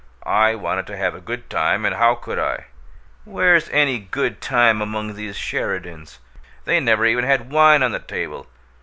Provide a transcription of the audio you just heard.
I wanted to have a good time and how could I? Where's any good time among these Sheridans? They never even had wine on the table!